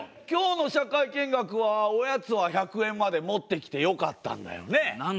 今日の社会見学はおやつは１００円まで持ってきてよかったんだよね。